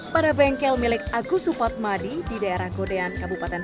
pada bengkel milik agus supatmadi di daerah godean kabupaten